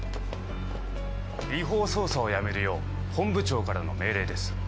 違法捜査をやめるよう本部長からの命令です。